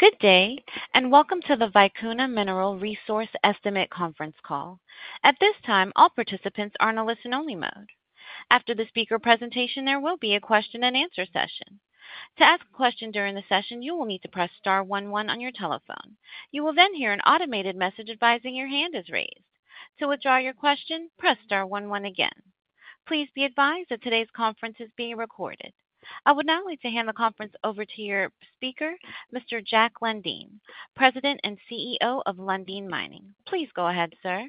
Good day, and welcome to the Vicuna Mineral Resource Estimate Conference Call. At this time, all participants are in a listen-only mode. After the speaker presentation, there will be a question-and-answer session. To ask a question during the session, you will need to press star one one on your telephone. You will then hear an automated message advising your hand is raised. To withdraw your question, press star one one again. Please be advised that today's conference is being recorded. I would now like to hand the conference over to your speaker, Mr. Jack Lundin, President and CEO of Lundin Mining. Please go ahead, sir.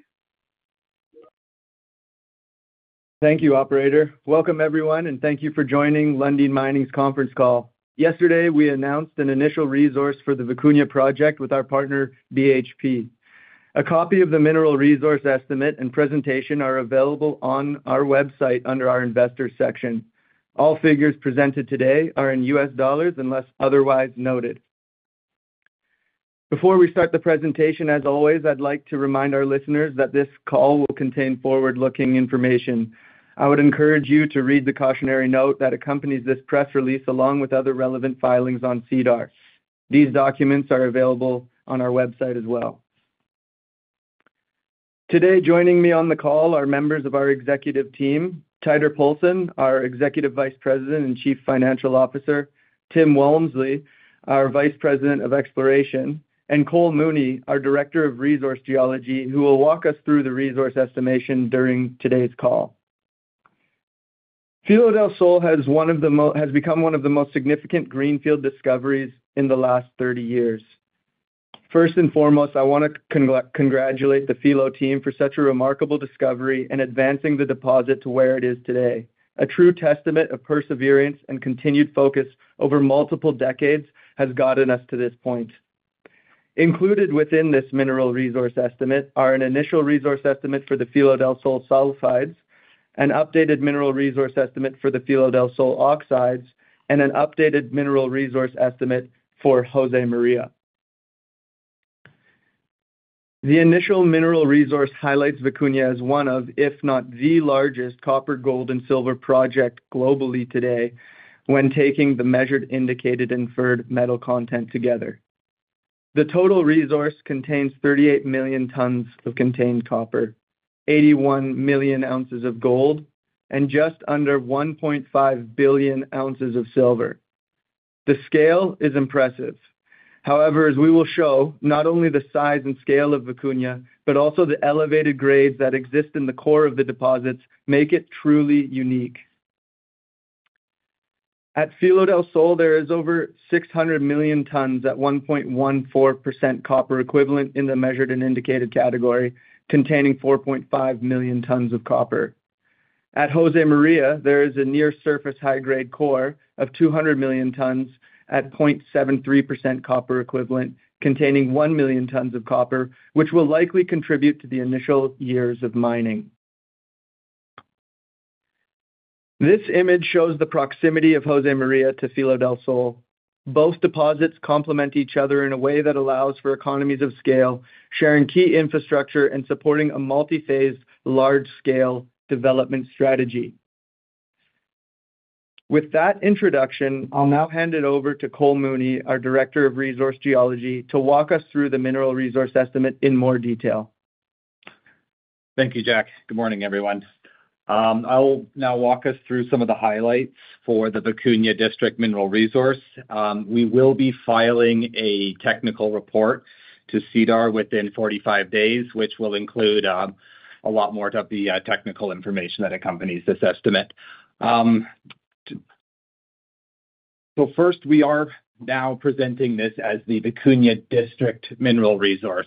Thank you, Operator. Welcome, everyone, and thank you for joining Lundin Mining's conference call. Yesterday, we announced an initial resource for the Vicuna project with our partner, BHP. A copy of the mineral resource estimate and presentation are available on our website under our Investor section. All figures presented today are in U.S. dollars unless otherwise noted. Before we start the presentation, as always, I'd like to remind our listeners that this call will contain forward-looking information. I would encourage you to read the cautionary note that accompanies this press release, along with other relevant filings on SEDAR. These documents are available on our website as well. Today, joining me on the call are members of our executive team, Teitur Poulsen, our Executive Vice President and Chief Financial Officer; Tim Walmsley, our Vice President of Exploration; and Cole Mooney, our Director of Resource Geology, who will walk us through the resource estimation during today's call. Filo del Sol has become one of the most significant greenfield discoveries in the last 30 years. First and foremost, I want to congratulate the Filo team for such a remarkable discovery in advancing the deposit to where it is today. A true testament of perseverance and continued focus over multiple decades has gotten us to this point. Included within this mineral resource estimate are an initial resource estimate for the Filo del Sol sulfides, an updated mineral resource estimate for the Filo del Sol oxides, and an updated mineral resource estimate for Josemaria. The initial mineral resource highlights Vicuna as one of, if not the largest, copper, gold, and silver projects globally today when taking the measured, indicated, and inferred metal content together. The total resource contains 38 million tons of contained copper, 81 million ounces of gold, and just under 1.5 billion ounces of silver. The scale is impressive. However, as we will show, not only the size and scale of Vicuna, but also the elevated grades that exist in the core of the deposits make it truly unique. At Filo del Sol, there is over 600 million tons at 1.14% copper equivalent in the measured and indicated category, containing 4.5 million tons of copper. At Jose Maria, there is a near-surface high-grade core of 200 million tons at 0.73% copper equivalent, containing 1 million tons of copper, which will likely contribute to the initial years of mining. This image shows the proximity of Jose Maria to Filo del Sol. Both deposits complement each other in a way that allows for economies of scale, sharing key infrastructure and supporting a multi-phased, large-scale development strategy. With that introduction, I'll now hand it over to Cole Mooney, our Director of Resource Geology, to walk us through the mineral resource estimate in more detail. Thank you, Jack. Good morning, everyone. I'll now walk us through some of the highlights for the Vicuna District Mineral Resource. We will be filing a technical report to SEDAR within 45 days, which will include a lot more of the technical information that accompanies this estimate. First, we are now presenting this as the Vicuna District Mineral Resource,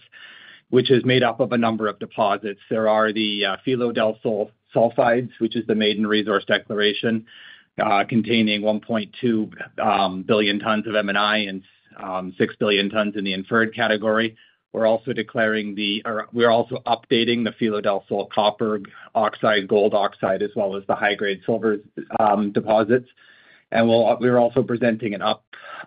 which is made up of a number of deposits. There are the Filo del Sol sulfides, which is the Maiden Resource Declaration, containing 1.2 billion tons of M&I and 6 billion tons in the inferred category. We're also declaring the—we're also updating the Filo del Sol copper oxide, gold oxide, as well as the high-grade silver deposits. We are also presenting an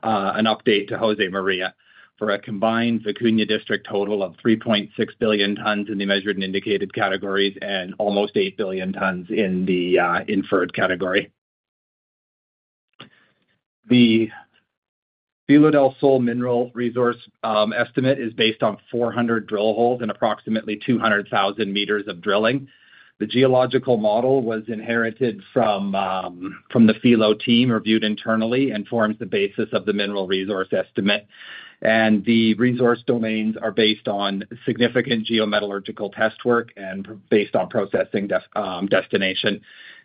update to Jose Maria for a combined Vicuna District total of 3.6 billion tons in the measured and indicated categories and almost 8 billion tons in the inferred category. The Filo del Sol mineral resource estimate is based on 400 drill holes and approximately 200,000 m of drilling. The geological model was inherited from the Filo team, reviewed internally, and forms the basis of the mineral resource estimate. The resource domains are based on significant geometallurgical test work and based on processing destination.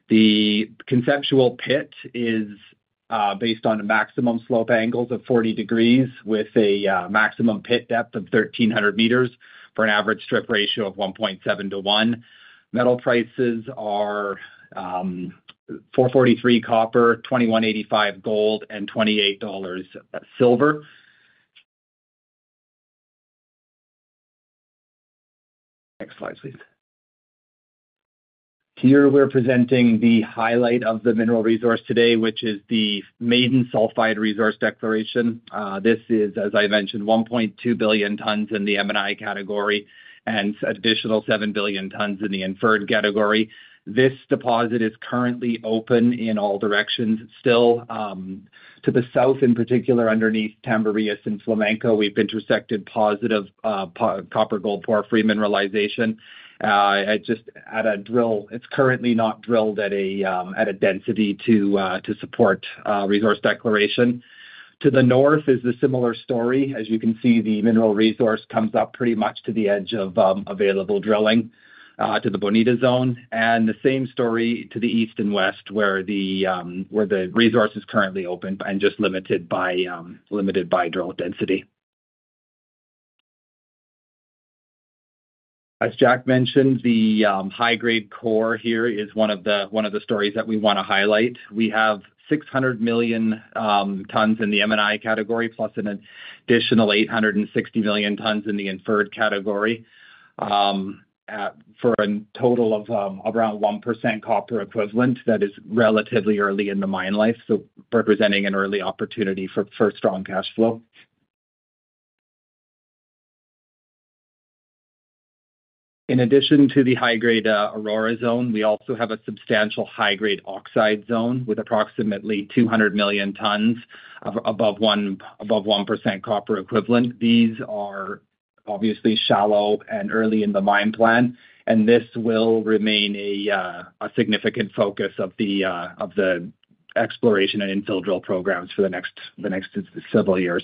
The conceptual pit is based on maximum slope angles of 40 degrees with a maximum pit depth of 1,300 m for an average strip ratio of 1.7 to 1. Metal prices are $4.43 copper, $2,185 gold, and $28 silver. Next slide, please. Here we are presenting the highlight of the mineral resource today, which is the Maiden Sulfide Resource Declaration. This is, as I mentioned, 1.2 billion tons in the M&I category and an additional 7 billion tons in the inferred category. This deposit is currently open in all directions. Still, to the south, in particular, underneath Tamberias and Flamenco, we've intersected positive copper, gold, porphyry mineralization. Just at a drill, it's currently not drilled at a density to support resource declaration. To the north is a similar story. As you can see, the mineral resource comes up pretty much to the edge of available drilling to the Bonita zone. The same story to the east and west, where the resource is currently open and just limited by drill density. As Jack mentioned, the high-grade core here is one of the stories that we want to highlight. We have 600 million tons in the M&I category, plus an additional 860 million tons in the inferred category for a total of around 1% copper equivalent that is relatively early in the mine life, so representing an early opportunity for strong cash flow. In addition to the high-grade Aurora zone, we also have a substantial high-grade oxide zone with approximately 200 million tons of above 1% copper equivalent. These are obviously shallow and early in the mine plan, and this will remain a significant focus of the exploration and infill drill programs for the next several years.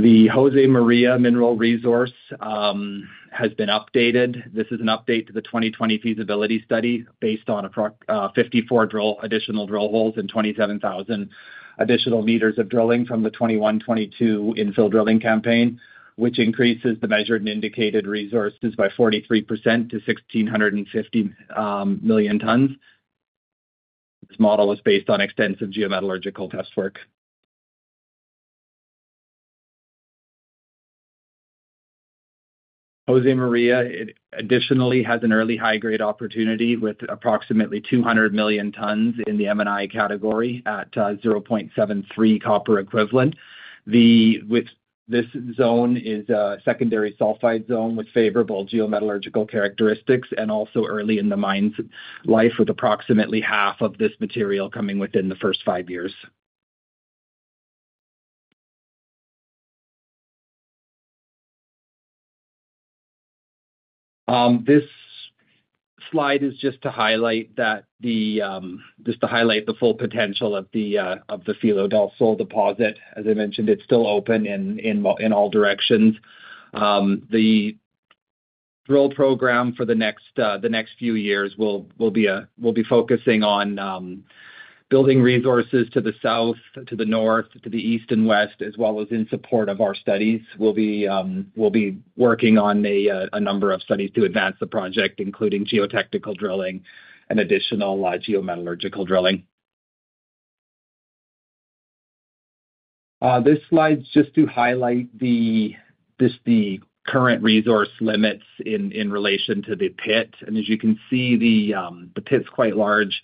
The Jose Maria mineral resource has been updated. This is an update to the 2020 Feasibility Study based on 54 additional drill holes and 27,000 additional meters of drilling from the 2021-2022 infill drilling campaign, which increases the measured and indicated resources by 43% to 1,650 million tons. This model was based on extensive geometallurgical test work. Jose Maria additionally has an early high-grade opportunity with approximately 200 million tons in the M&I category at 0.73 copper equivalent. This zone is a secondary sulfide zone with favorable geometallurgical characteristics and also early in the mine's life with approximately half of this material coming within the first five years. This slide is just to highlight the full potential of the Filo del Sol deposit. As I mentioned, it's still open in all directions. The drill program for the next few years will be focusing on building resources to the south, to the north, to the east and west, as well as in support of our studies. We'll be working on a number of studies to advance the project, including geotechnical drilling and additional geometallurgical drilling. This slide's just to highlight the current resource limits in relation to the pit. As you can see, the pit's quite large,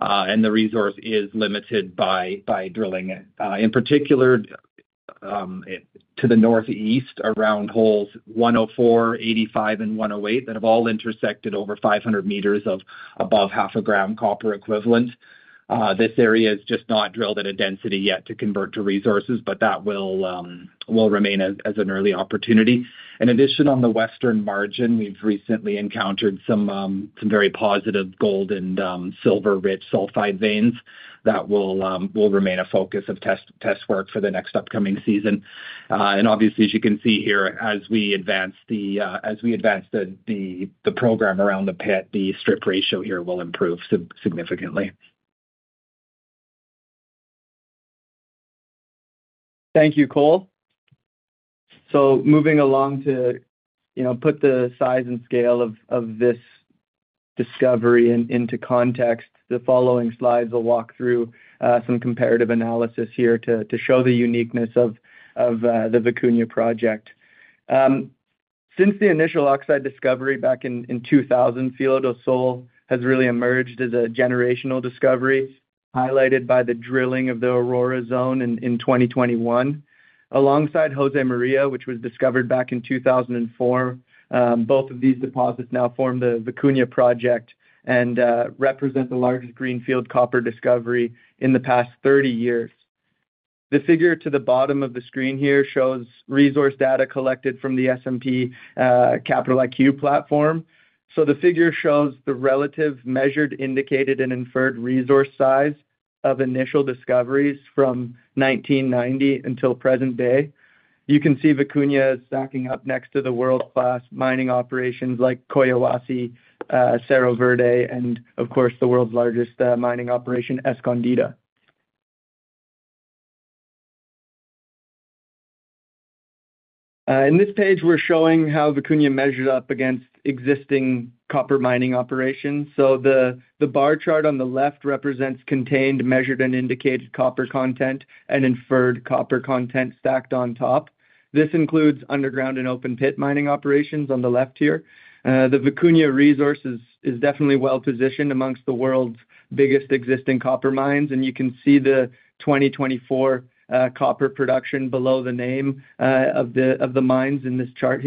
and the resource is limited by drilling. In particular, to the northeast, around holes 104, 85, and 108 that have all intersected over 500 m of above half a gram copper equivalent. This area is just not drilled at a density yet to convert to resources, but that will remain as an early opportunity. In addition, on the western margin, we've recently encountered some very positive gold and silver-rich sulfide veins that will remain a focus of test work for the next upcoming season. Obviously, as you can see here, as we advance the program around the pit, the strip ratio here will improve significantly. Thank you, Cole. Moving along to put the size and scale of this discovery into context, the following slides will walk through some comparative analysis here to show the uniqueness of the Vicuna project. Since the initial oxide discovery back in 2000, Filo del Sol has really emerged as a generational discovery, highlighted by the drilling of the Aurora zone in 2021. Alongside Jose Maria, which was discovered back in 2004, both of these deposits now form the Vicuna project and represent the largest greenfield copper discovery in the past 30 years. The figure to the bottom of the screen here shows resource data collected from the S&P Capital IQ platform. The figure shows the relative measured, indicated, and inferred resource size of initial discoveries from 1990 until present day. You can see Vicuna is stacking up next to world-class mining operations like Collahuasi, Cerro Verde, and, of course, the world's largest mining operation, Escondida. In this page, we're showing how Vicuna measured up against existing copper mining operations. The bar chart on the left represents contained, measured, and indicated copper content and inferred copper content stacked on top. This includes underground and open-pit mining operations on the left here. The Vicuna resource is definitely well-positioned amongst the world's biggest existing copper mines, and you can see the 2024 copper production below the name of the mines in this chart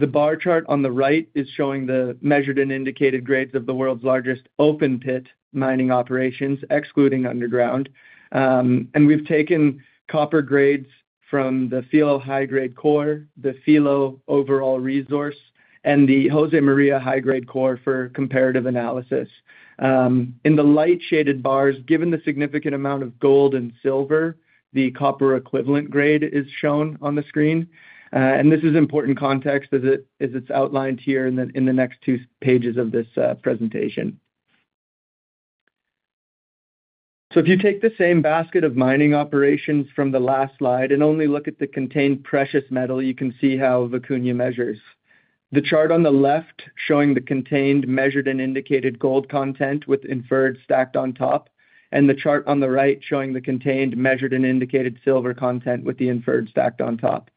here. The bar chart on the right is showing the measured and indicated grades of the world's largest open-pit mining operations, excluding underground. We have taken copper grades from the Filo high-grade core, the Filo overall resource, and the Jose Maria high-grade core for comparative analysis. In the light-shaded bars, given the significant amount of gold and silver, the copper equivalent grade is shown on the screen. This is important context as it is outlined here in the next two pages of this presentation. If you take the same basket of mining operations from the last slide and only look at the contained precious metal, you can see how Vicuna measures. The chart on the left showing the contained, measured, and indicated gold content with inferred stacked on top, and the chart on the right showing the contained, measured, and indicated silver content with the inferred stacked on top.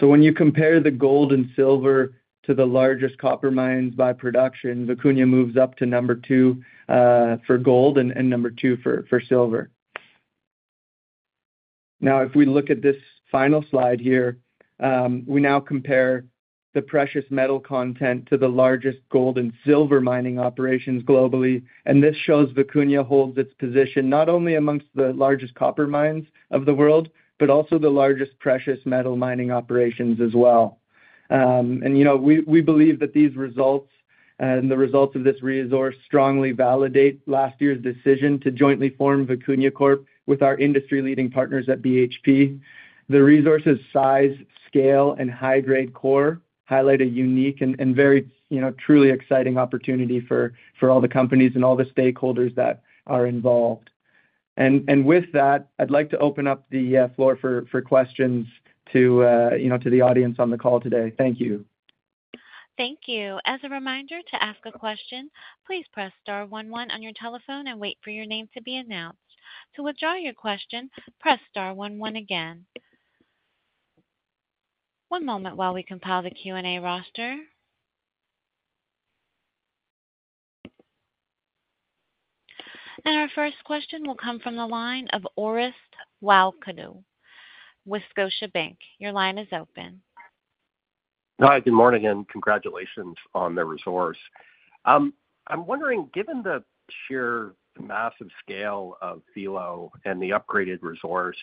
When you compare the gold and silver to the largest copper mines by production, Vicuna moves up to number two for gold and number two for silver. Now, if we look at this final slide here, we now compare the precious metal content to the largest gold and silver mining operations globally. This shows Vicuna holds its position not only amongst the largest copper mines of the world, but also the largest precious metal mining operations as well. We believe that these results and the results of this resource strongly validate last year's decision to jointly form Vicuna Corp with our industry-leading partners at BHP. The resource's size, scale, and high-grade core highlight a unique and very truly exciting opportunity for all the companies and all the stakeholders that are involved. With that, I'd like to open up the floor for questions to the audience on the call today. Thank you. Thank you. As a reminder to ask a question, please press star one one on your telephone and wait for your name to be announced. To withdraw your question, press star one one again. One moment while we compile the Q&A roster. Our first question will come from the line of Orest Wowkodaw, Scotiabank. Your line is open. Hi, good morning, and congratulations on the resource. I'm wondering, given the sheer massive scale of Filo and the upgraded resource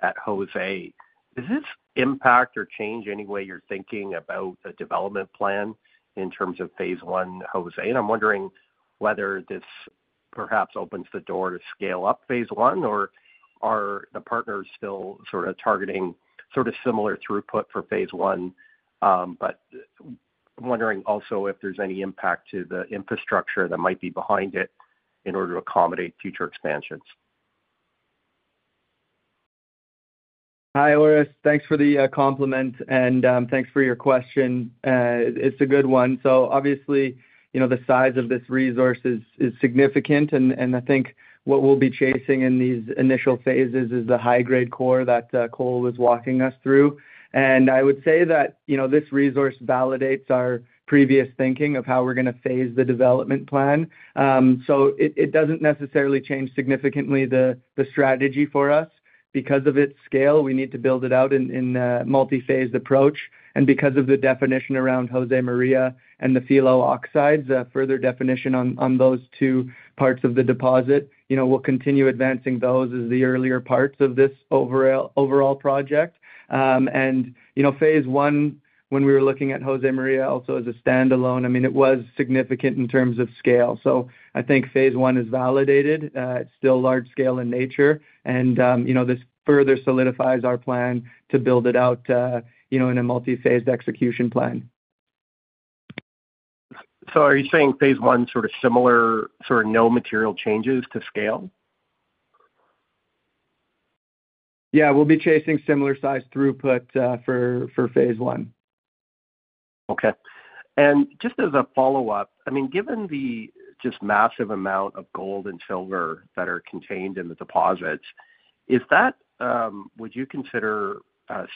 at Jose, does this impact or change any way you're thinking about a development plan in terms of phase one at Jose? I'm wondering whether this perhaps opens the door to scale up phase one, or are the partners still sort of targeting sort of similar throughput for phase one? I'm wondering also if there's any impact to the infrastructure that might be behind it in order to accommodate future expansions. Hi, Orest. Thanks for the compliment, and thanks for your question. It's a good one. Obviously, the size of this resource is significant, and I think what we'll be chasing in these initial phases is the high-grade core that Cole was walking us through. I would say that this resource validates our previous thinking of how we're going to phase the development plan. It doesn't necessarily change significantly the strategy for us. Because of its scale, we need to build it out in a multi-phased approach. Because of the definition around Josemaria and the Filo oxides, a further definition on those two parts of the deposit, we'll continue advancing those as the earlier parts of this overall project. Phase one, when we were looking at Josemaria also as a standalone, I mean, it was significant in terms of scale. I think phase one is validated. It's still large-scale in nature, and this further solidifies our plan to build it out in a multi-phased execution plan. Are you saying phase one sort of similar sort of no material changes to scale? Yeah, we'll be chasing similar size throughput for phase one. Okay. And just as a follow-up, I mean, given the just massive amount of gold and silver that are contained in the deposits, would you consider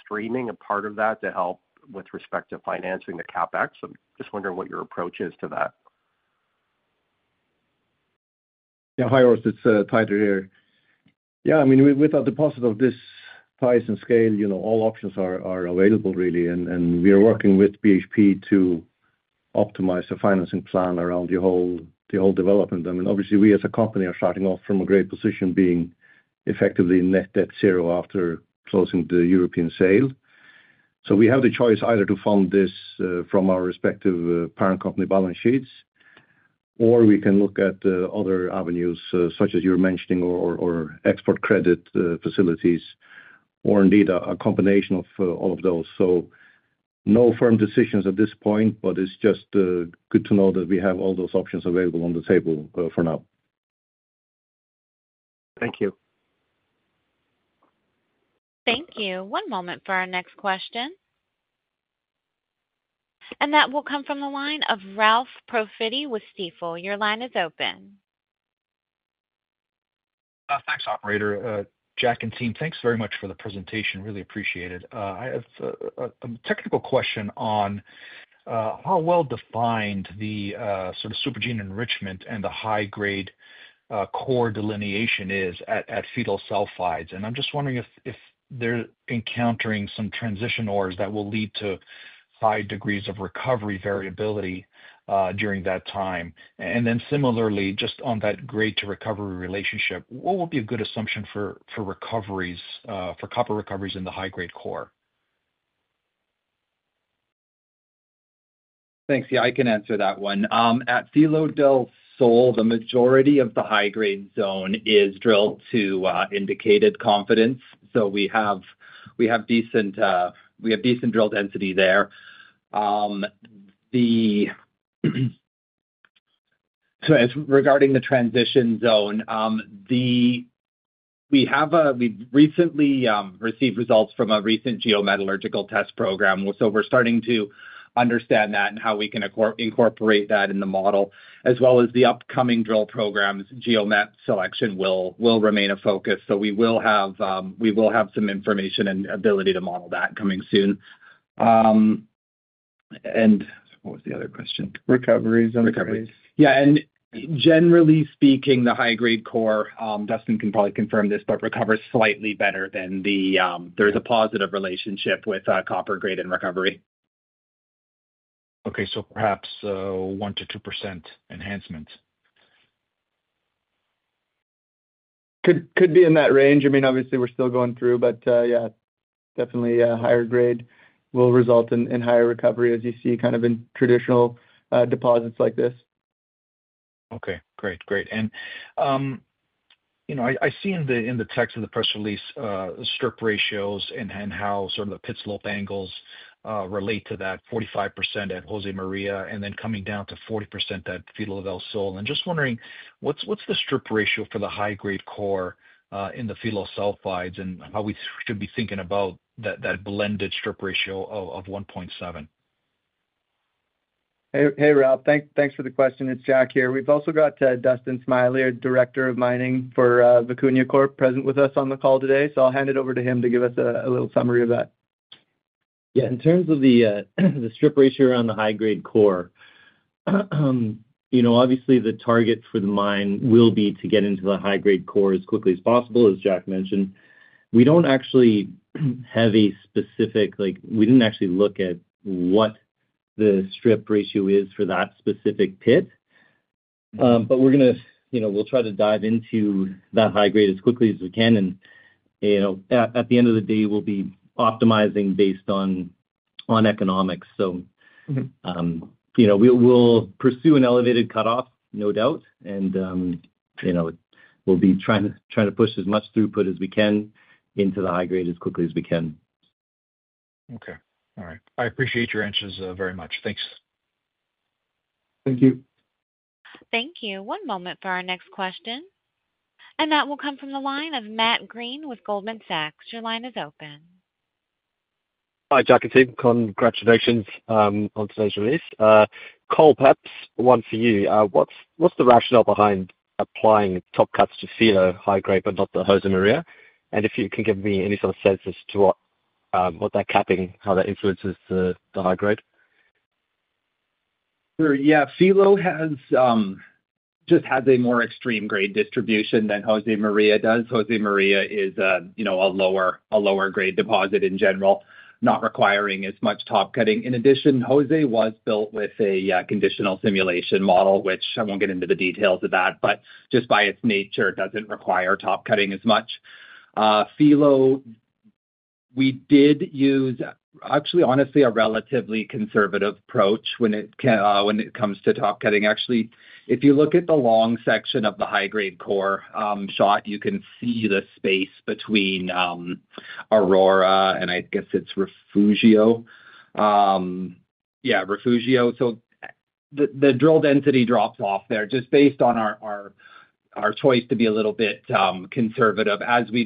streaming a part of that to help with respect to financing the CapEx? I'm just wondering what your approach is to that. Yeah, hi, Orest. It's Tiger here. Yeah, I mean, with our deposit of this price and scale, all options are available, really. We are working with BHP to optimize the financing plan around the whole development. I mean, obviously, we as a company are starting off from a great position, being effectively net debt zero after closing the European sale. We have the choice either to fund this from our respective parent company balance sheets, or we can look at other avenues, such as you were mentioning, or export credit facilities, or indeed a combination of all of those. No firm decisions at this point, but it's just good to know that we have all those options available on the table for now. Thank you. Thank you. One moment for our next question. That will come from the line of Ralph M. Profiti with Stifel. Your line is open. Thanks, operator. Jack and team, thanks very much for the presentation. Really appreciate it. I have a technical question on how well-defined the sort of supergene enrichment and the high-grade core delineation is at Filo sulfides. I am just wondering if they are encountering some transition ores that will lead to high degrees of recovery variability during that time. Similarly, just on that grade-to-recovery relationship, what would be a good assumption for copper recoveries in the high-grade core? Thanks. Yeah, I can answer that one. At Filo del Sol, the majority of the high-grade zone is drilled to indicated confidence. We have decent drill density there. Regarding the transition zone, we recently received results from a recent geometallurgical test program. We are starting to understand that and how we can incorporate that in the model, as well as the upcoming drill programs. Geomet selection will remain a focus. We will have some information and ability to model that coming soon. What was the other question? Recoveries and recoveries. Recoveries. Yeah. Generally speaking, the high-grade core—Dustin can probably confirm this—recovers slightly better. There is a positive relationship with copper grade and recovery. Okay. So perhaps 1%-2% enhancement. Could be in that range. I mean, obviously, we're still going through, but yeah, definitely higher grade will result in higher recovery, as you see kind of in traditional deposits like this. Okay. Great. Great. I see in the text of the press release strip ratios and how sort of the pit slope angles relate to that 45% at Josemaria and then coming down to 40% at Filo del Sol. I am just wondering, what's the strip ratio for the high-grade core in the Filo sulfides and how we should be thinking about that blended strip ratio of 1.7? Hey, Ralph. Thanks for the question. It's Jack here. We have also got Dustin Smiley, our Director of Mining for Vicuna Corp, present with us on the call today. I will hand it over to him to give us a little summary of that. Yeah. In terms of the strip ratio around the high-grade core, obviously, the target for the mine will be to get into the high-grade core as quickly as possible, as Jack mentioned. We do not actually have a specific—we did not actually look at what the strip ratio is for that specific pit. We are going to try to dive into that high grade as quickly as we can. At the end of the day, we will be optimizing based on economics. We will pursue an elevated cutoff, no doubt. We will be trying to push as much throughput as we can into the high grade as quickly as we can. Okay. All right. I appreciate your answers very much. Thanks. Thank you. Thank you. One moment for our next question. That will come from the line of Matt Greene with Goldman Sachs. Your line is open. Hi, Jack and team. Congratulations on today's release. Cole, one for you. What's the rationale behind applying top cuts to Filo high grade, but not the Josemaria? If you can give me any sort of sense as to what that capping, how that influences the high grade. Sure. Yeah. Filo just has a more extreme grade distribution than Jose Maria does. Josemaria is a lower grade deposit in general, not requiring as much top cutting. In addition, Jose was built with a conditional simulation model, which I won't get into the details of that, but just by its nature, it doesn't require top cutting as much. Filo, we did use, actually, honestly, a relatively conservative approach when it comes to top cutting. Actually, if you look at the long section of the high-grade core shot, you can see the space between Aurora and I guess it's Refugio. Yeah, Refugio. The drill density drops off there just based on our choice to be a little bit conservative. As we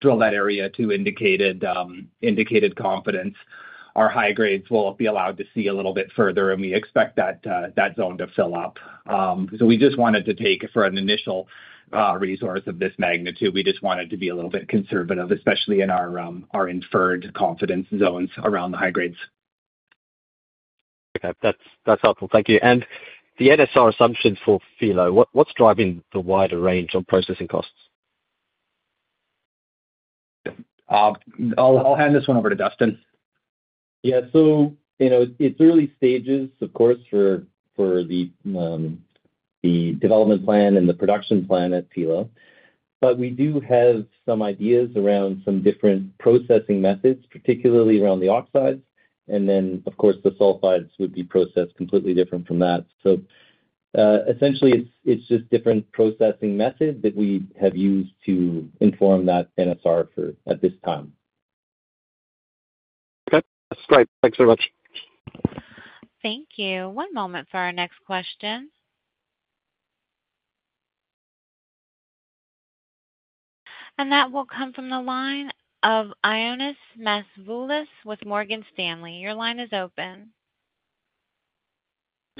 drill that area to indicated confidence, our high grades will be allowed to see a little bit further, and we expect that zone to fill up. We just wanted to take for an initial resource of this magnitude, we just wanted to be a little bit conservative, especially in our inferred confidence zones around the high grades. Okay. That's helpful. Thank you. The NSR assumptions for Filo, what's driving the wider range on processing costs? I'll hand this one over to Dustin. Yeah. It is early stages, of course, for the development plan and the production plan at Filo. We do have some ideas around some different processing methods, particularly around the oxides. The sulfides would be processed completely different from that. Essentially, it is just different processing methods that we have used to inform that NSR at this time. Okay. That's great. Thanks very much. Thank you. One moment for our next question. That will come from the line of Ioannis Masvoulas with Morgan Stanley. Your line is open.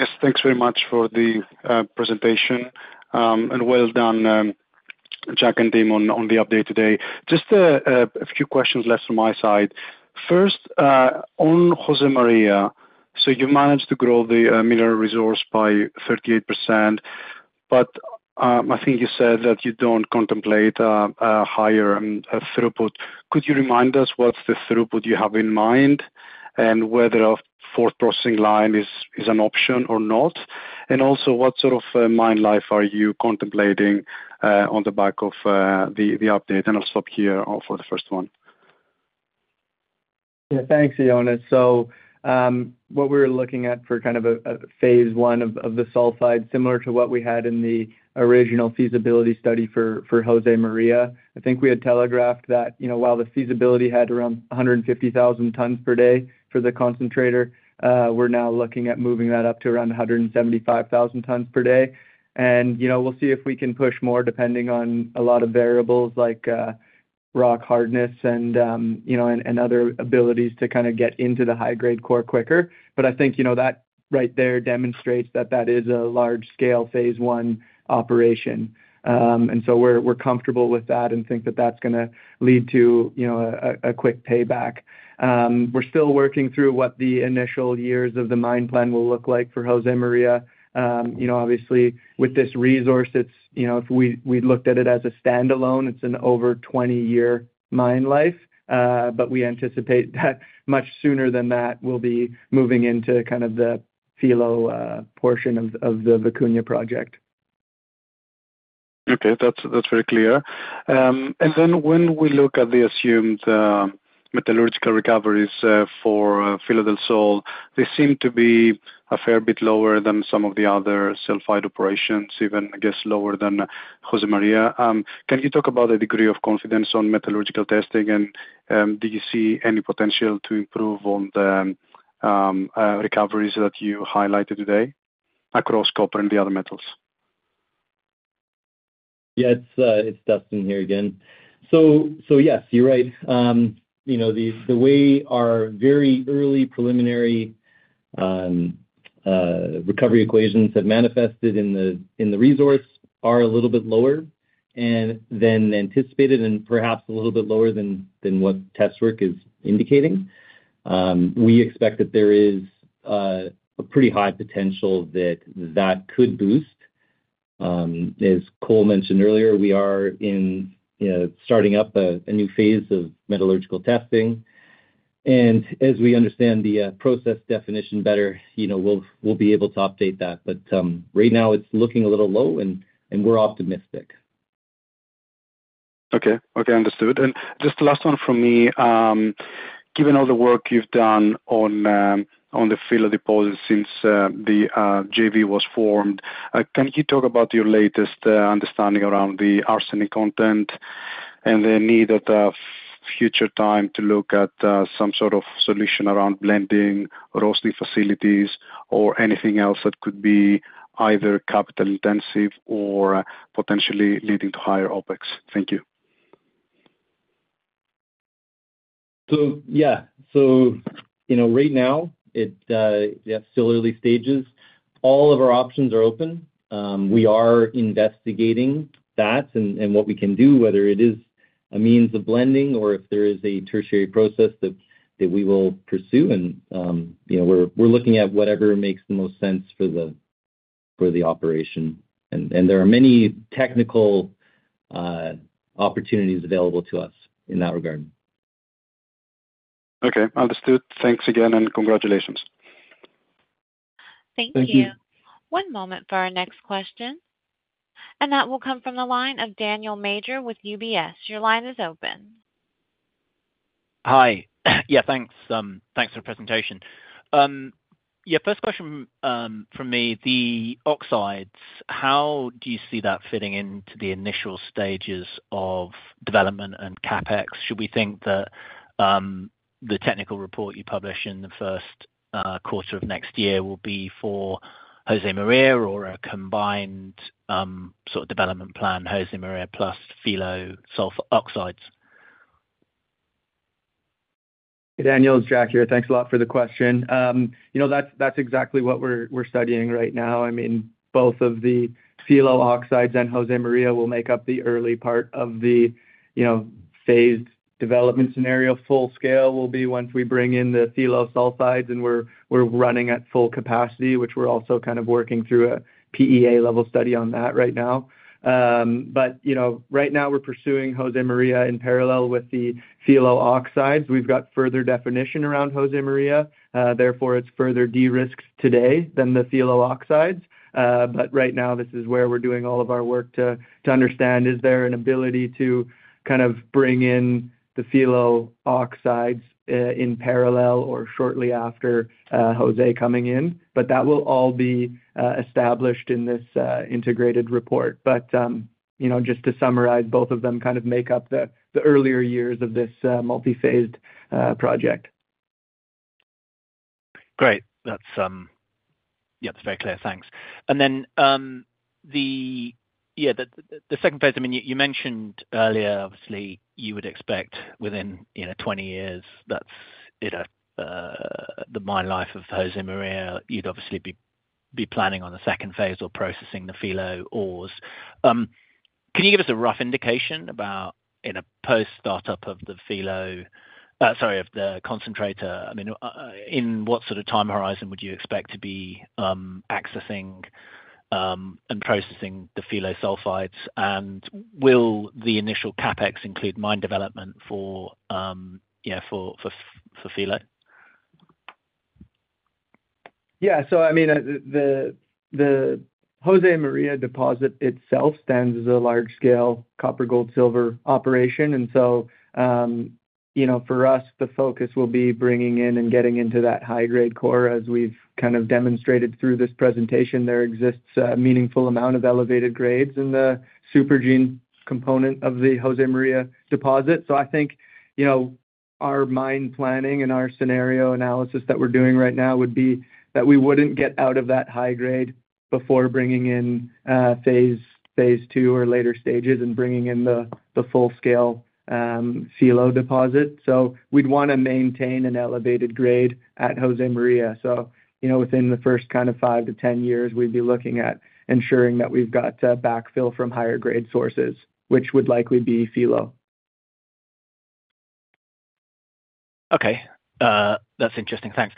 Yes. Thanks very much for the presentation and well done, Jack and team, on the update today. Just a few questions left on my side. First, on Jose Maria, you managed to grow the mineral resource by 38%, but I think you said that you do not contemplate a higher throughput. Could you remind us what is the throughput you have in mind and whether a fourth processing line is an option or not? Also, what sort of mine life are you contemplating on the back of the update? I will stop here for the first one. Yeah. Thanks, Ioannis. So what we were looking at for kind of a phase one of the sulfide, similar to what we had in the original Feasibility Study for Josemaria. I think we had telegraphed that while the Feasibility had around 150,000 tons per day for the concentrator, we're now looking at moving that up to around 175,000 tons per day. We'll see if we can push more depending on a lot of variables like rock hardness and other abilities to kind of get into the high-grade core quicker. I think that right there demonstrates that that is a large-scale phase one operation. We're comfortable with that and think that that's going to lead to a quick payback. We're still working through what the initial years of the mine plan will look like for Josemaria. Obviously, with this resource, if we looked at it as a standalone, it's an over 20-year mine life. We anticipate that much sooner than that, we'll be moving into kind of the Filo portion of the Vicuna project. Okay. That's very clear. When we look at the assumed metallurgical recoveries for Filo del Sol, they seem to be a fair bit lower than some of the other sulfide operations, even I guess lower than Josemaria. Can you talk about the degree of confidence on metallurgical testing, and do you see any potential to improve on the recoveries that you highlighted today across copper and the other metals? Yeah. It's Dustin here again. Yes, you're right. The way our very early preliminary recovery equations have manifested in the resource are a little bit lower than anticipated and perhaps a little bit lower than what test work is indicating. We expect that there is a pretty high potential that that could boost. As Cole mentioned earlier, we are starting up a new phase of metallurgical testing. As we understand the process definition better, we'll be able to update that. Right now, it's looking a little low, and we're optimistic. Okay. Okay. Understood. Just the last one from me. Given all the work you've done on the Filo deposits since the JV was formed, can you talk about your latest understanding around the arsenic content and the need at future time to look at some sort of solution around blending, roasting facilities, or anything else that could be either capital intensive or potentially leading to higher OpEx? Thank you. Yeah. Right now, it's still early stages. All of our options are open. We are investigating that and what we can do, whether it is a means of blending or if there is a tertiary process that we will pursue. We're looking at whatever makes the most sense for the operation. There are many technical opportunities available to us in that regard. Okay. Understood. Thanks again, and congratulations. Thank you. One moment for our next question. That will come from the line of Daniel Major with UBS. Your line is open. Hi. Yeah. Thanks. Thanks for the presentation. Yeah. First question from me. The oxides, how do you see that fitting into the initial stages of development and CapEx? Should we think that the technical report you publish in the first quarter of next year will be for Josemaria or a combined sort of development plan, Josemaria plus Filo sulfoxides? Daniels, Jack here. Thanks a lot for the question. That's exactly what we're studying right now. I mean, both of the Filo oxides and Jose Maria will make up the early part of the phased development scenario. Full scale will be once we bring in the Filo sulfides, and we're running at full capacity, which we're also kind of working through a PEA level study on that right now. Right now, we're pursuing Josemaria in parallel with the Filo oxides. We've got further definition around Josemaria. Therefore, it's further de-risked today than the Filo oxides. Right now, this is where we're doing all of our work to understand, is there an ability to kind of bring in the Filo oxides in parallel or shortly after Jose coming in? That will all be established in this integrated report. Just to summarize, both of them kind of make up the earlier years of this multi-phased project. Great. Yeah. That's very clear. Thanks. Then the second phase, I mean, you mentioned earlier, obviously, you would expect within 20 years, that's the mine life of Josemaria. You'd obviously be planning on the second phase or processing the Filo ores. Can you give us a rough indication about in a post startup of the Filo, sorry, of the concentrator, I mean, in what sort of time horizon would you expect to be accessing and processing the Filo sulfides? Will the initial CapEx include mine development for Filo? Yeah. I mean, the JJosemaria deposit itself stands as a large-scale copper, gold, silver operation. For us, the focus will be bringing in and getting into that high-grade core. As we've kind of demonstrated through this presentation, there exists a meaningful amount of elevated grades in the supergene component of the Josemaria deposit. I think our mine planning and our scenario analysis that we're doing right now would be that we would not get out of that high grade before bringing in phase two or later stages and bringing in the full-scale Filo deposit. We would want to maintain an elevated grade at Jose Maria. Within the first five to 10 years, we would be looking at ensuring that we've got backfill from higher grade sources, which would likely be Filo. Okay. That's interesting. Thanks.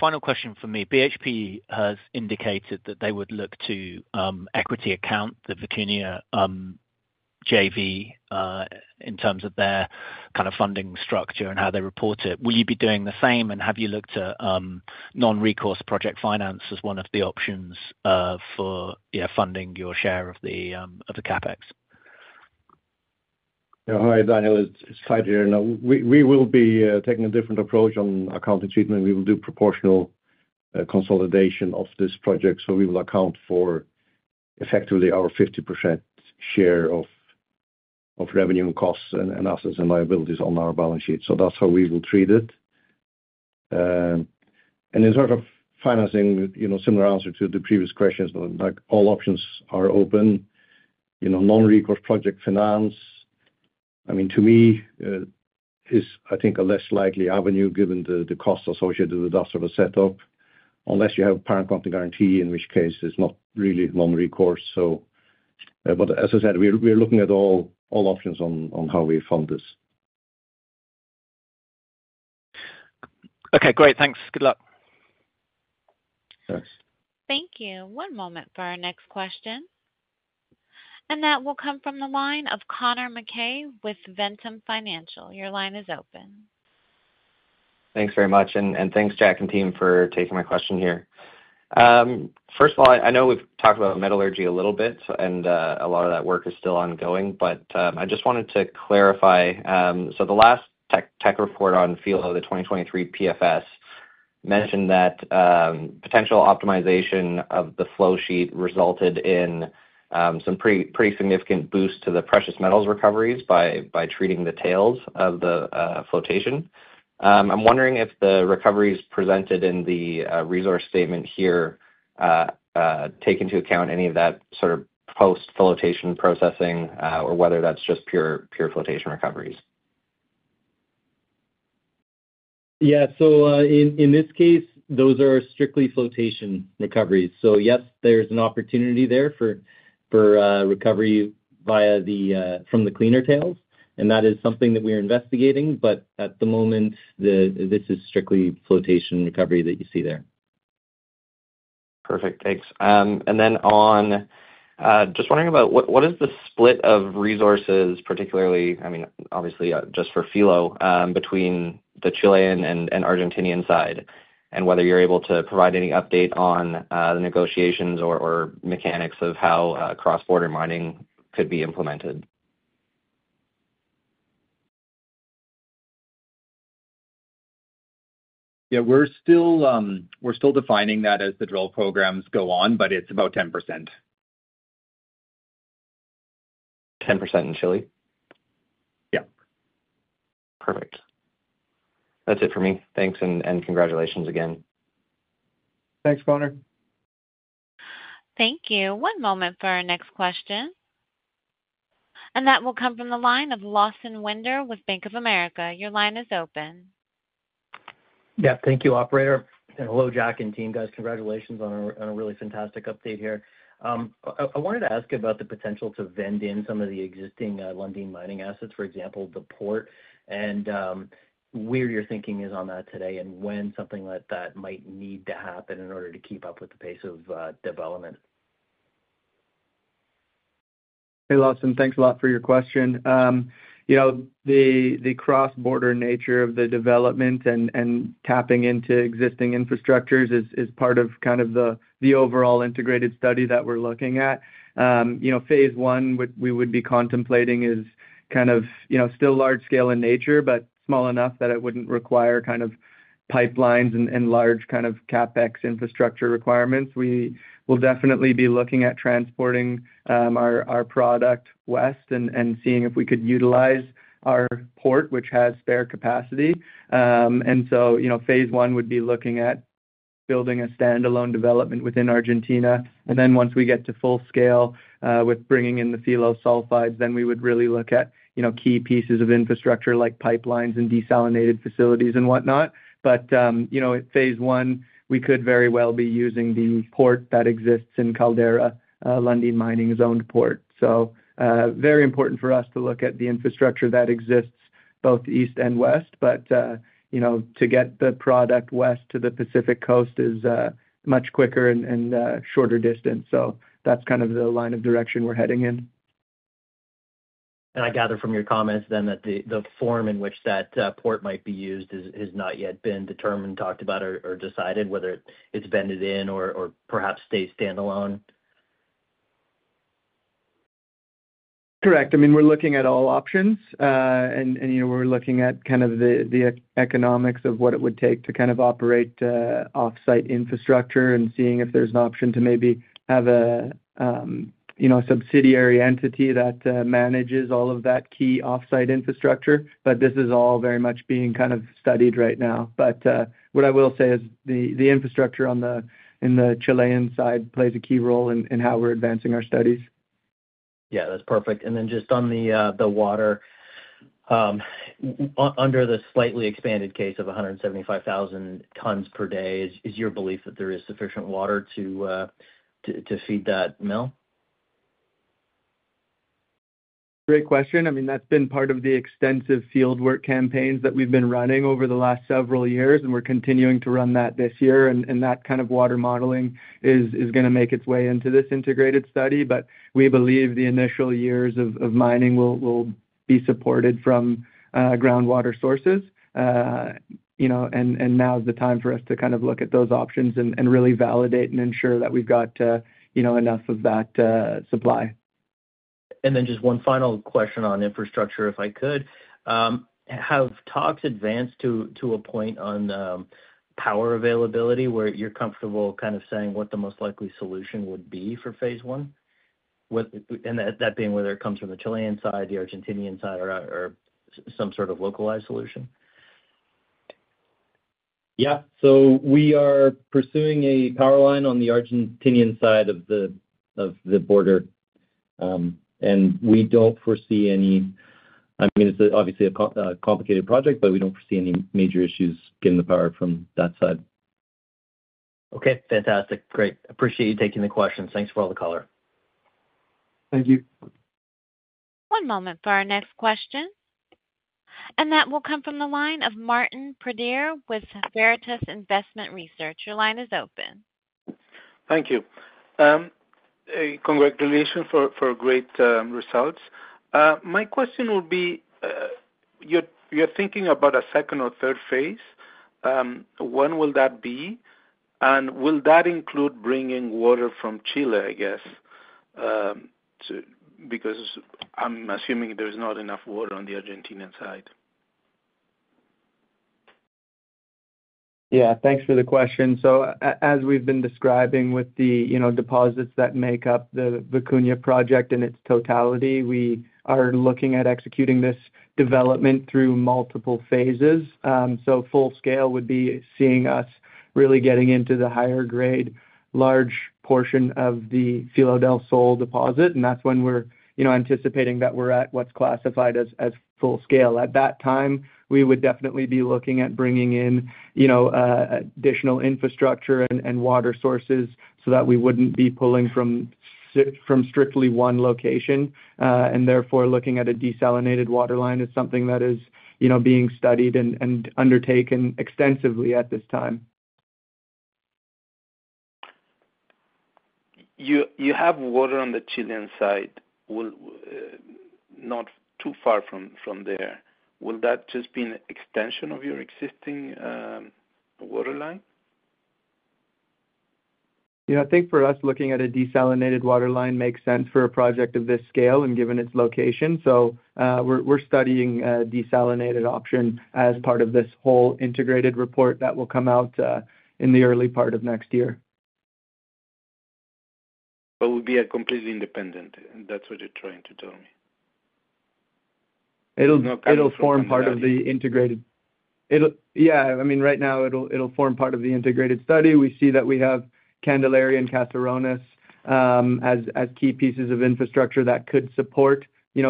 Final question for me. BHP has indicated that they would look to equity account the Vicuna JV in terms of their kind of funding structure and how they report it. Will you be doing the same? Have you looked at non-recourse project finance as one of the options for funding your share of the CapEx? Hi, Daniel. It's Teitur here. We will be taking a different approach on accounting treatment. We will do proportional consolidation of this project. We will account for effectively our 50% share of revenue and costs and assets and liabilities on our balance sheet. That is how we will treat it. In terms of financing, similar answer to the previous questions. All options are open. Non-recourse project finance, I mean, to me, is I think a less likely avenue given the cost associated with that sort of setup, unless you have a parent company guarantee, in which case it is not really non-recourse. As I said, we are looking at all options on how we fund this. Okay. Great. Thanks. Good luck. Thanks. Thank you. One moment for our next question. That will come from the line of Connor Mackay with Ventum Financial. Your line is open. Thanks very much. Thanks, Jack and team, for taking my question here. First of all, I know we've talked about metallurgy a little bit, and a lot of that work is still ongoing. I just wanted to clarify. The last tech report on Filo, the 2023 PFS, mentioned that potential optimization of the flow sheet resulted in some pretty significant boost to the precious metals recoveries by treating the tails of the flotation. I'm wondering if the recoveries presented in the resource statement here take into account any of that sort of post-flotation processing or whether that's just pure flotation recoveries? Yeah. In this case, those are strictly flotation recoveries. Yes, there's an opportunity there for recovery from the cleaner tails, and that is something that we are investigating. At the moment, this is strictly flotation recovery that you see there. Perfect. Thanks. Just wondering about what is the split of resources, particularly, I mean, obviously, just for Filo between the Chilean and Argentinian side and whether you're able to provide any update on the negotiations or mechanics of how cross-border mining could be implemented? Yeah. We're still defining that as the drill programs go on, but it's about 10%. 10% in Chile. Yeah. Perfect. That's it for me. Thanks. And congratulations again. Thanks, Connor. Thank you. One moment for our next question. That will come from the line of Lawson Winder with Bank of America. Your line is open. Yeah. Thank you, operator. Hello, Jack and team. Guys, congratulations on a really fantastic update here. I wanted to ask you about the potential to vend in some of the existing Lundin Mining assets, for example, the port. Where your thinking is on that today and when something like that might need to happen in order to keep up with the pace of development. Hey, Lawson. Thanks a lot for your question. The cross-border nature of the development and tapping into existing infrastructures is part of kind of the overall integrated study that we're looking at. Phase one, which we would be contemplating, is kind of still large-scale in nature, but small enough that it wouldn't require kind of pipelines and large kind of CapEx infrastructure requirements. We will definitely be looking at transporting our product west and seeing if we could utilize our port, which has spare capacity. Phase one would be looking at building a standalone development within Argentina. Once we get to full scale with bringing in the Filo sulfides, we would really look at key pieces of infrastructure like pipelines and desalinated facilities and whatnot. Phase one, we could very well be using the port that exists in Caldera, Lundin Mining's own port. is very important for us to look at the infrastructure that exists both east and west. To get the product west to the Pacific coast is much quicker and a shorter distance. That is kind of the line of direction we are heading in. I gather from your comments then that the form in which that port might be used has not yet been determined, talked about, or decided whether it's vended in or perhaps stays standalone. Correct. I mean, we're looking at all options. We're looking at kind of the economics of what it would take to kind of operate off-site infrastructure and seeing if there's an option to maybe have a subsidiary entity that manages all of that key off-site infrastructure. This is all very much being kind of studied right now. What I will say is the infrastructure on the Chilean side plays a key role in how we're advancing our studies. Yeah. That's perfect. Then just on the water, under the slightly expanded case of 175,000 tons per day, is your belief that there is sufficient water to feed that mill? Great question. I mean, that's been part of the extensive fieldwork campaigns that we've been running over the last several years. We're continuing to run that this year. That kind of water modeling is going to make its way into this integrated study. We believe the initial years of mining will be supported from groundwater sources. Now is the time for us to kind of look at those options and really validate and ensure that we've got enough of that supply. Just one final question on infrastructure, if I could. Have talks advanced to a point on power availability where you're comfortable kind of saying what the most likely solution would be for phase one? That being whether it comes from the Chilean side, the Argentinian side, or some sort of localized solution. Yeah. We are pursuing a power line on the Argentinian side of the border. I mean, it's obviously a complicated project, but we don't foresee any major issues getting the power from that side. Okay. Fantastic. Great. Appreciate you taking the questions. Thanks for all the color. Thank you. One moment for our next question. That will come from the line of Martin Pradier with Veritas Investment Research. Your line is open. Thank you. Congratulations for great results. My question will be you're thinking about a second or third phase. When will that be? Will that include bringing water from Chile, I guess, because I'm assuming there's not enough water on the Argentinian side? Yeah. Thanks for the question. As we've been describing with the deposits that make up the Vicuna project in its totality, we are looking at executing this development through multiple phases. Full scale would be seeing us really getting into the higher grade, large portion of the Filo del Sol deposit. That's when we're anticipating that we're at what's classified as full scale. At that time, we would definitely be looking at bringing in additional infrastructure and water sources so that we wouldn't be pulling from strictly one location. Therefore, looking at a desalinated water line is something that is being studied and undertaken extensively at this time. You have water on the Chilean side, not too far from there. Will that just be an extension of your existing water line? Yeah. I think for us, looking at a desalinated water line makes sense for a project of this scale and given its location. We are studying a desalinated option as part of this whole integrated report that will come out in the early part of next year. It would be completely independent. That's what you're trying to tell me. It'll form part of the integrated. It'll be independent. Yeah. I mean, right now, it'll form part of the integrated study. We see that we have Candelaria and Caserones as key pieces of infrastructure that could support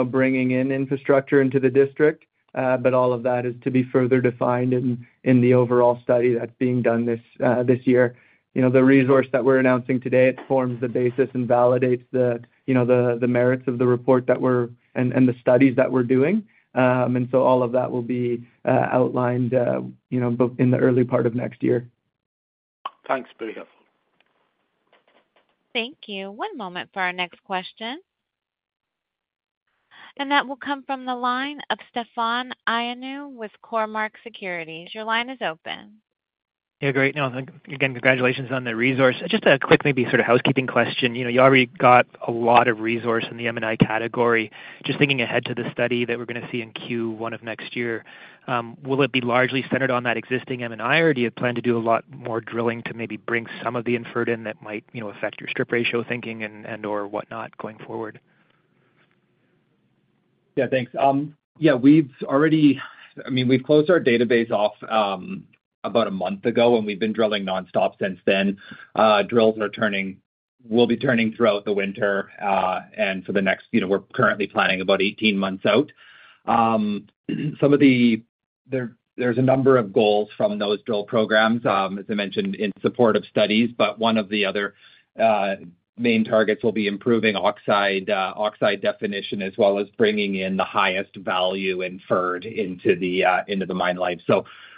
bringing in infrastructure into the district. All of that is to be further defined in the overall study that's being done this year. The resource that we're announcing today, it forms the basis and validates the merits of the report and the studies that we're doing. All of that will be outlined in the early part of next year. Thanks. Very helpful. Thank you. One moment for our next question. That will come from the line of analyst with Cormark Securities. Your line is open. Hey, great. Again, congratulations on the resource. Just a quick maybe sort of housekeeping question. You already got a lot of resource in the M&I category. Just thinking ahead to the study that we're going to see in Q1 of next year, will it be largely centered on that existing M&I, or do you plan to do a lot more drilling to maybe bring some of the inferred in that might affect your strip ratio thinking and/or whatnot going forward? Yeah. Thanks. Yeah. I mean, we've closed our database off about a month ago, and we've been drilling nonstop since then. Drills will be turning throughout the winter. For the next, we're currently planning about 18 months out. There's a number of goals from those drill programs, as I mentioned, in support of studies. One of the other main targets will be improving oxide definition as well as bringing in the highest value inferred into the mine life.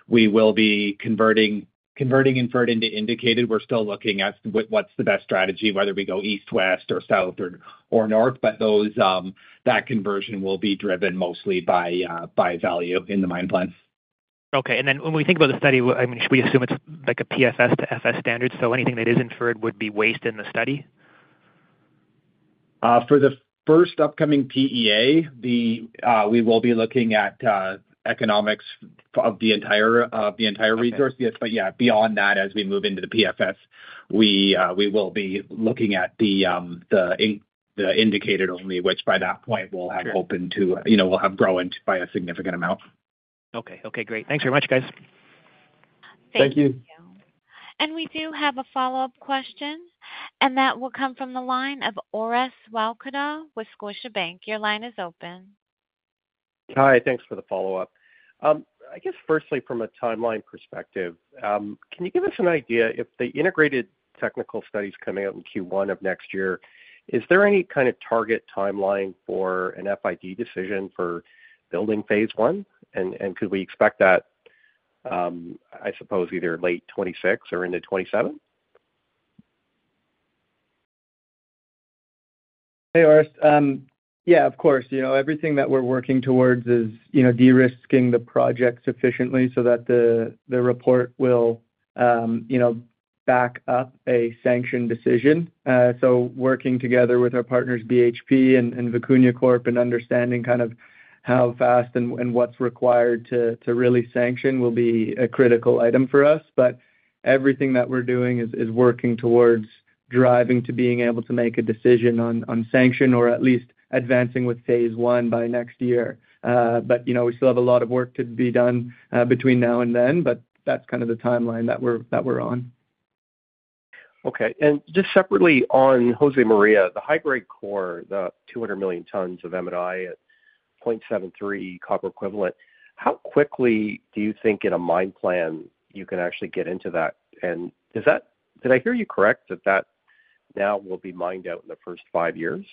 We will be converting inferred into indicated. We're still looking at what's the best strategy, whether we go east, west, south, or north. That conversion will be driven mostly by value in the mine plant. Okay. When we think about the study, I mean, should we assume it's like a PFS to FS standard? Anything that is inferred would be waste in the study? For the first upcoming PEA, we will be looking at economics of the entire resource. Yeah, beyond that, as we move into the PFS, we will be looking at the indicated only, which by that point, we'll have grown by a significant amount. Okay. Okay. Great. Thanks very much, guys. Thank you. Thank you. We do have a follow-up question. That will come from the line of Orest Wowkodaw with Scotia Bank. Your line is open. Hi. Thanks for the follow-up. I guess, firstly, from a timeline perspective, can you give us an idea if the integrated technical studies coming out in Q1 of next year, is there any kind of target timeline for an FID decision for building phase one? Could we expect that, I suppose, either late 2026 or into 2027? Hey, Orest. Yeah, of course. Everything that we're working towards is de-risking the project sufficiently so that the report will back up a sanction decision. Working together with our partners, BHP and Vicuna Corp, and understanding kind of how fast and what's required to really sanction will be a critical item for us. Everything that we're doing is working towards driving to being able to make a decision on sanction, or at least advancing with phase one by next year. We still have a lot of work to be done between now and then. That's kind of the timeline that we're on. Okay. Just separately on José Maria, the high-grade core, the 200 million tons of M&I at 0.73 copper equivalent, how quickly do you think in a mine plan you can actually get into that? Did I hear you correct that that now will be mined out in the first five years?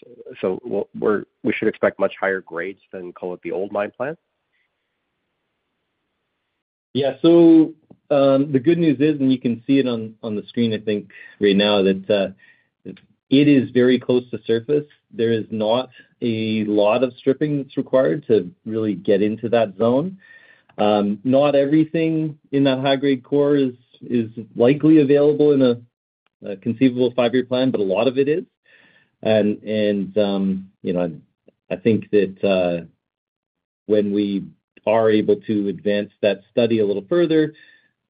We should expect much higher grades than, call it, the old mine plan? Yeah. The good news is, and you can see it on the screen, I think, right now, that it is very close to surface. There is not a lot of stripping that's required to really get into that zone. Not everything in that high-grade core is likely available in a conceivable five-year plan, but a lot of it is. I think that when we are able to advance that study a little further,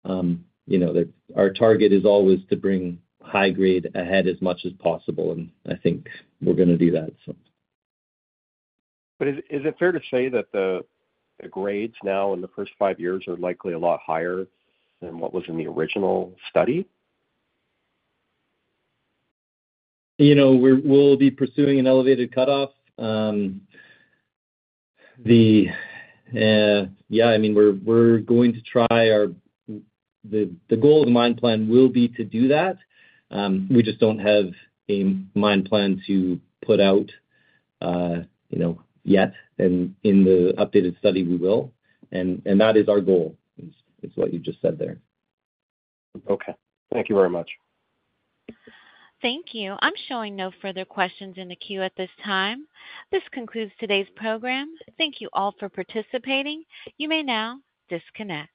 our target is always to bring high-grade ahead as much as possible. I think we're going to do that, so. Is it fair to say that the grades now in the first five years are likely a lot higher than what was in the original study? We'll be pursuing an elevated cutoff. Yeah. I mean, we're going to try our, the goal of the mine plan will be to do that. We just don't have a mine plan to put out yet. In the updated study, we will. That is our goal, is what you just said there. Okay. Thank you very much. Thank you. I'm showing no further questions in the queue at this time. This concludes today's program. Thank you all for participating. You may now disconnect.